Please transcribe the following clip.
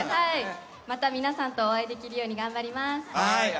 また、皆さんとお会いできるように頑張ります。